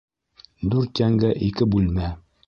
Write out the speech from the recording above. Дүрт йәнгә ике бүлмә.